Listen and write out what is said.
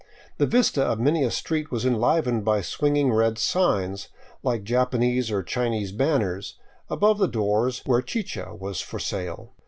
The vista of many a street was enlivened by swinging red signs, like Japanese or Chinese banners, above the doors where chicha was for sale.